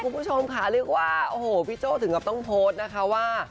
คุณผู้ชมค่ะพี่โจ้ถึงกับต้องโพสต์นะคะว่า